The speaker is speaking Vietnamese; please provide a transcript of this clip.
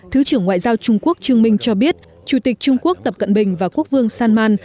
thứ trưởng ngoại giao trung quốc trương minh cho biết chủ tịch trung quốc tập cận bình và quốc vương salman